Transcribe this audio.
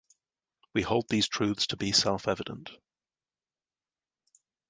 We hold these truths to be self-evident